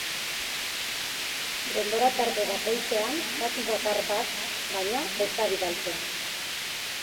Debora-tarte bakoitzean datu bakar bat baino ez da bidaltzen.